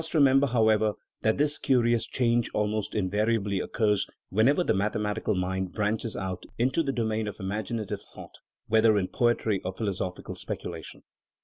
213 remember, however, that this curious change almost in variably occurs whenever the mathematical mind branches out into the domain of imaginative thought, whether in poetry or philosophical speculation.